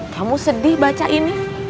kamu sedih baca ini